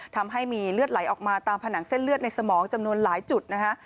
ทำให้มีเลือดไหลออกมาตามผนังเส้นเลือดในสมองจำนวนหลายจุดนะคะ